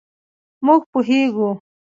مونږ پوهیږو